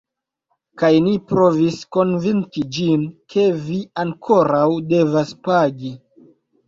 Kaj ni provis konvinki ĝin, ke vi ankoraŭ devas pagi.